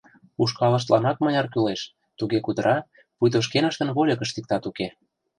Ушкалыштланак мыняр кӱлеш, — туге кутыра, пуйто шкеныштын вольыкышт иктат уке.